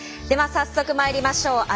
では早速参りましょう。